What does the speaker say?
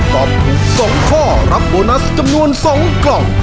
ตอบถูก๒ข้อรับโบนัสจำนวน๒กล่อง